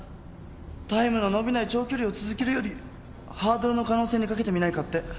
タイムの伸びない長距離を続けるよりハードルの可能性に懸けてみないかって。